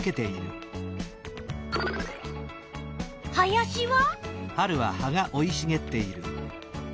林は？